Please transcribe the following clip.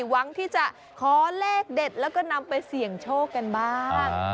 หวังที่จะขอเลขเด็ดแล้วก็นำไปเสี่ยงโชคกันบ้าง